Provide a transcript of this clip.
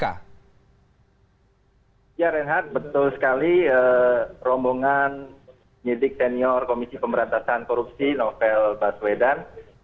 ya renhat betul sekali rombongan penyidik senior komisi pemberantasan korupsi novel baswedan